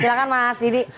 silahkan mas didi